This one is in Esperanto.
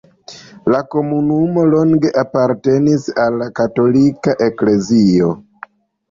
La komunumo longe apartenis al la katolika eklezio.